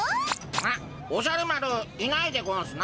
あおじゃる丸いないでゴンスな。